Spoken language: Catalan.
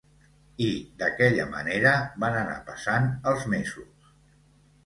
I, d'aquella manera, van anar passant els mesos.